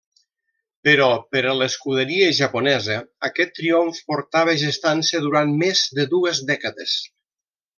Però, per a l'escuderia japonesa aquest triomf portava gestant-se durant més de dues dècades.